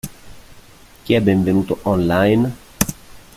Chi è benvenuto "online"?